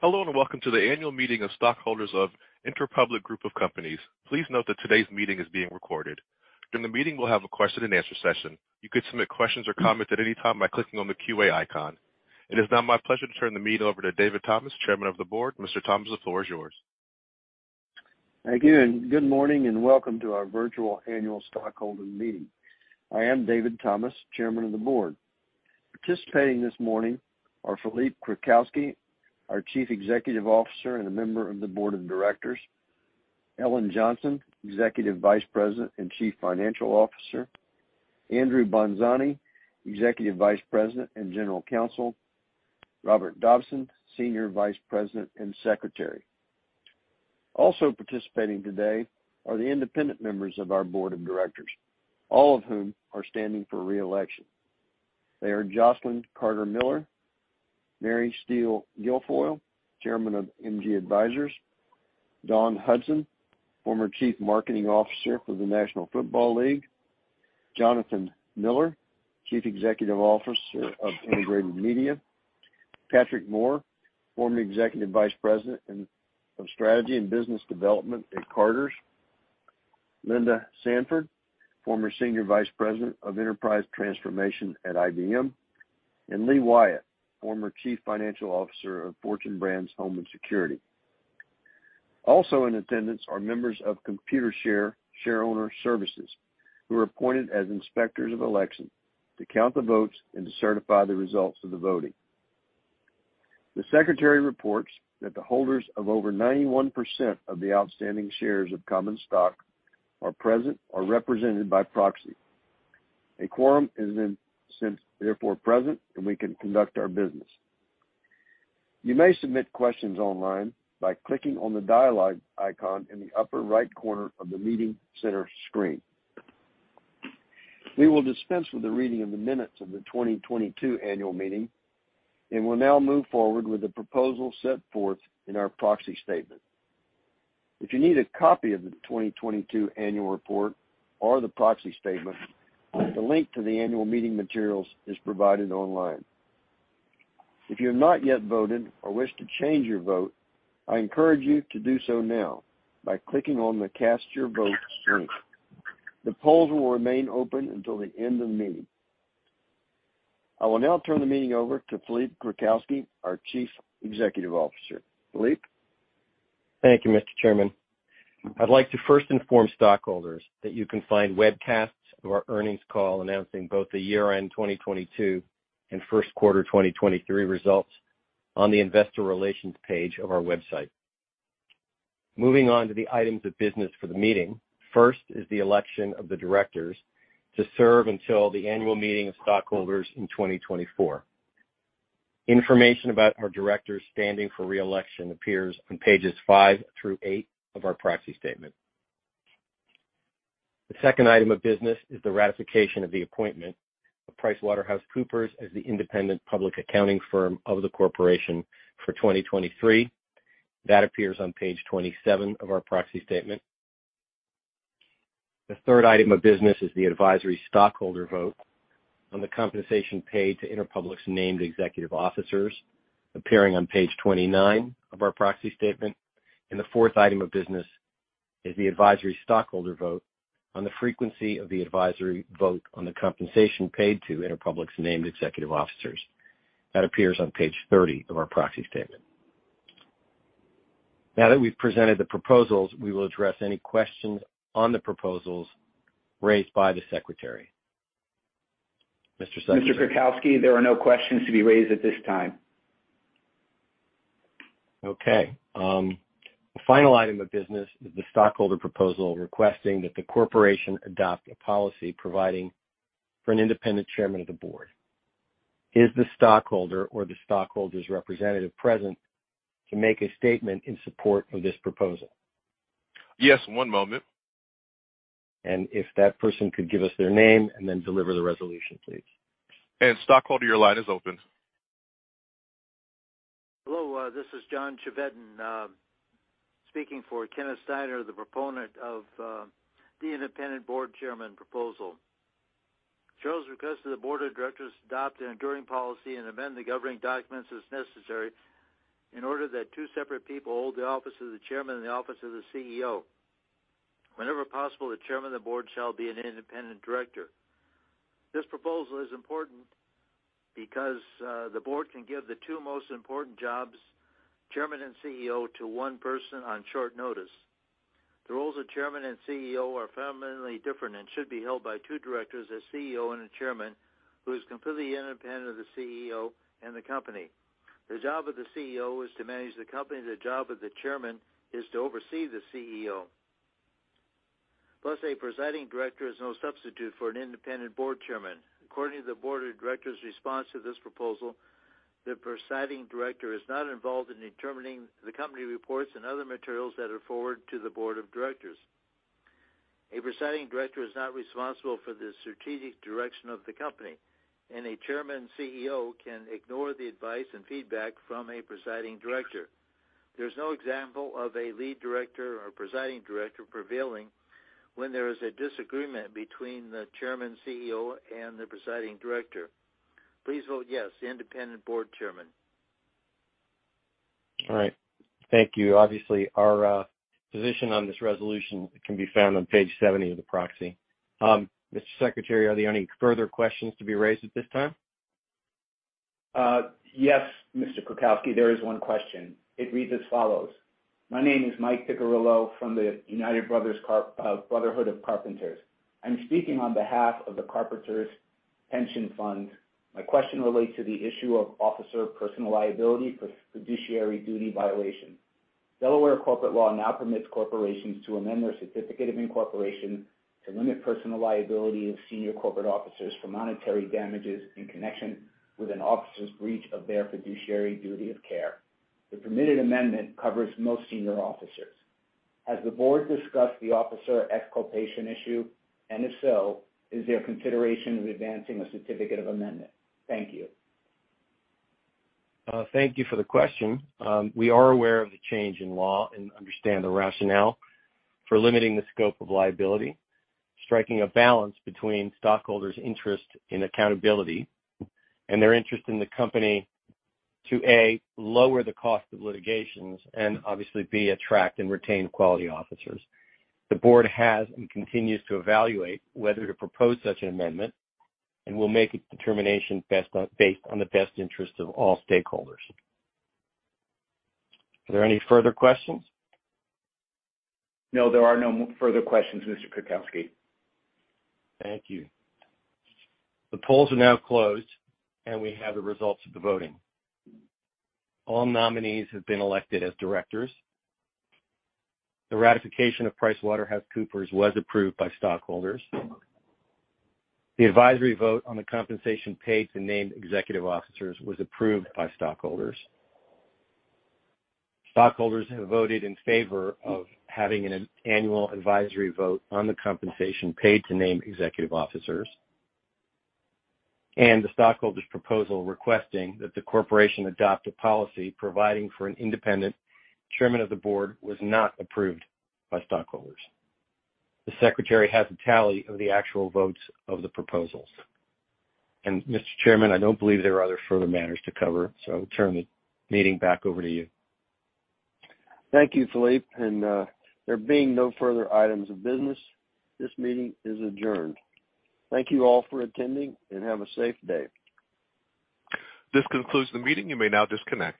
Hello, and welcome to the annual meeting of stockholders of Interpublic Group of Companies. Please note that today's meeting is being recorded. During the meeting, we'll have a question and answer session. You could submit questions or comments at any time by clicking on the QA icon. It is now my pleasure to turn the meeting over to David Thomas, Chairman of the Board. Mr. Thomas, the floor is yours. Thank you, and good morning, and welcome to our virtual annual stockholder meeting. I am David Thomas, Chairman of the Board. Participating this morning are Philippe Krakowsky, our Chief Executive Officer, and a member of the Board of Directors, Ellen Johnson, Executive Vice President and Chief Financial Officer, Andrew Bonzani, Executive Vice President and General Counsel, Robert Dobson, Senior Vice President and Secretary. Also participating today are the independent members of our Board of Directors, all of whom are standing for re-election. They are Jocelyn Carter-Miller; Mary J. Steele Guilfoile, Chairman of MG Advisors; Dawn Hudson, former Chief Marketing Officer for the National Football League; Jonathan Miller, Chief Executive Officer of Integrated Media; Patrick Moore, former Executive Vice President of Strategy and Business Development at Carter's; Linda Sanford, former Senior Vice President of Enterprise Transformation at IBM; and Lee Wyatt, former Chief Financial Officer of Fortune Brands Home & Security. Also in attendance are members of Computershare Shareholder Services, who are appointed as inspectors of election to count the votes and to certify the results of the voting. The secretary reports that the holders of over 91% of the outstanding shares of common stock are present or represented by proxy. A quorum is therefore present, and we can conduct our business. You may submit questions online by clicking on the dialogue icon in the upper right corner of the meeting center screen. We will dispense with the reading of the minutes of the 2022 annual meeting, and we'll now move forward with the proposal set forth in our proxy statement. If you need a copy of the 2022 annual report or the proxy statement, the link to the annual meeting materials is provided online. If you have not yet voted or wish to change your vote, I encourage you to do so now by clicking on the Cast Your Vote link. The polls will remain open until the end of the meeting. I will now turn the meeting over to Philippe Krakowsky, our Chief Executive Officer. Philippe? Thank you, Mr. Chairman. I'd like to first inform stockholders that you can find webcasts of our earnings call announcing both the year-end 2022 and first quarter 2023 results on the investor relations page of our website. Moving on to the items of business for the meeting, first is the election of the directors to serve until the annual meeting of stockholders in 2024. Information about our directors standing for re-election appears on pages five-eight of our proxy statement. The second item of business is the ratification of the appointment of PricewaterhouseCoopers as the independent public accounting firm of the corporation for 2023. That appears on page 27 of our proxy statement. The third item of business is the advisory stockholder vote on the compensation paid to Interpublic's named executive officers, appearing on page 29 of our proxy statement. The fourth item of business is the advisory stockholder vote on the frequency of the advisory vote on the compensation paid to Interpublic's named executive officers. That appears on page 30 of our proxy statement. Now that we've presented the proposals, we will address any questions on the proposals raised by the Secretary. Mr. Secretary? Mr. Krakowsky, there are no questions to be raised at this time. Okay, the final item of business is the stockholder proposal requesting that the corporation adopt a policy providing for an independent chairman of the board. Is the stockholder or the stockholder's representative present to make a statement in support of this proposal? Yes, one moment. If that person could give us their name and then deliver the resolution, please. Stockholder, your line is open. Hello, this is John Chevedden, speaking for Kenneth Steiner, the proponent of the independent board Chairman proposal. Charles requested the board of directors to adopt an enduring policy and amend the governing documents as necessary in order that two separate people hold the office of the Chairman and the office of the CEO. Whenever possible, the Chairman of the board shall be an independent director. This proposal is important because the board can give the two most important jobs, Chairman and CEO, to one person on short notice. The roles of Chairman and CEO are fundamentally different and should be held by two directors, a CEO and a Chairman, who is completely independent of the CEO and the company. The job of the CEO is to manage the company. The job of the Chairman is to oversee the CEO. A presiding director is no substitute for an independent board chairman. According to the board of directors' response to this proposal, the presiding director is not involved in determining the company reports and other materials that are forwarded to the board of directors. A presiding director is not responsible for the strategic direction of the company, and a chairman CEO can ignore the advice and feedback from a presiding director. There's no example of a lead director or presiding director prevailing when there is a disagreement between the chairman, CEO, and the presiding director. Please vote yes, independent board chairman. All right. Thank you. Obviously, our position on this resolution can be found on page 70 of the proxy. Mr. Secretary, are there any further questions to be raised at this time? Yes, Mr. Krakowsky, there is one question. It reads as follows: My name is Michael Piccirillo from the United Brotherhood of Carpenters. I'm speaking on behalf of the Carpenters Pension Fund. My question relates to the issue of officer personal liability for fiduciary duty violation. Delaware corporate law now permits corporations to amend their certificate of incorporation to limit personal liability of senior corporate officers for monetary damages in connection with an officer's breach of their fiduciary duty of care. The permitted amendment covers most senior officers. Has the board discussed the Officer Exculpation issue? If so, is there consideration of advancing a certificate of amendment? Thank you. Thank you for the question. We are aware of the change in law and understand the rationale for limiting the scope of liability, striking a balance between stockholders' interest in accountability and their interest in the company to, A, lower the cost of litigations, and obviously, B, attract and retain quality officers. The board has and continues to evaluate whether to propose such an amendment and will make a determination based on the best interest of all stakeholders. Are there any further questions? No, there are no further questions, Mr. Krakowsky. Thank you. The polls are now closed, and we have the results of the voting. All nominees have been elected as directors. The ratification of PricewaterhouseCoopers was approved by stockholders. The advisory vote on the compensation paid to named executive officers was approved by stockholders. Stockholders have voted in favor of having an annual advisory vote on the compensation paid to named executive officers, and the stockholders' proposal requesting that the corporation adopt a policy providing for an independent Chairman of the board was not approved by stockholders. The secretary has a tally of the actual votes of the proposals. Mr. Chairman, I don't believe there are other further matters to cover, so I'll turn the meeting back over to you. Thank you, Philippe, and, there being no further items of business, this meeting is adjourned. Thank you all for attending and have a safe day. This concludes the meeting. You may now disconnect.